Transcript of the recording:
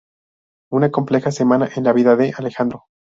Una compleja semana en la vida de Alejandro.